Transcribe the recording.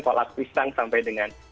kolak pisang sampai dengan